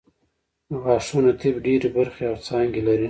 د غاښونو طب ډېرې برخې او څانګې لري